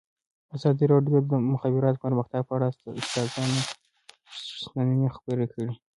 ازادي راډیو د د مخابراتو پرمختګ په اړه د استادانو شننې خپرې کړي.